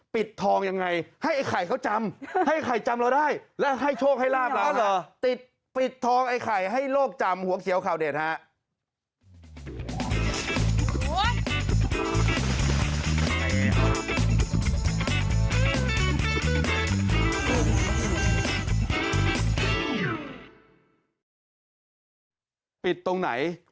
ปิดทองยังไงให้ไอข่าวเเข้าจำให้ไอข่าวจำเราได้